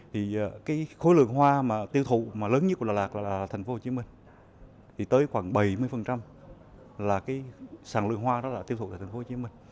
thì cái khối lượng hoa mà tiêu thụ mà lớn nhất của đà lạt là tp hcm thì tới khoảng bảy mươi là cái sàn lượng hoa đó là tiêu thụ tại tp hcm